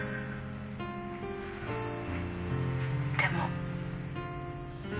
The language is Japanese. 「でも」